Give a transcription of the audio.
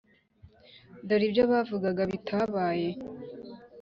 dore ibyo navugaga birabaye